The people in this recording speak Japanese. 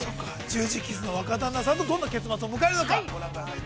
十字傷の若旦那さんとどんな結末を迎えるのかご覧ください。